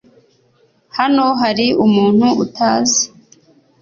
Hano hari umuntu utazi